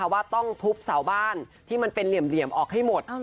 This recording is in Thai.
ว่าต้องทุบเสาบ้านที่มันเป็นเหลี่ยมออกให้หมด